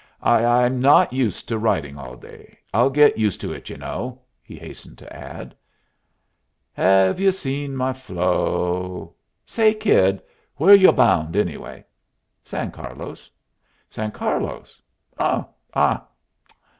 "I I'm not used to riding all day. I'll get used to it, you know," he hastened to add. "'Ha ve you seen my Flo' Say, kid, where y'u bound, anyway?" "San Carlos." "San Carlos? Oh. Ah.